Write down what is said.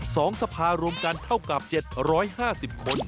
สภารวมกันเท่ากับ๗๕๐คน